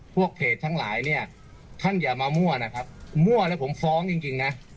พวกเพจทั้งหลายเนี่ยท่านอย่ามามั่วนะครับมั่วแล้วผมฟ้องจริงนะ